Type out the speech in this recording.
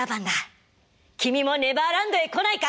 君もネバーランドへ来ないか？」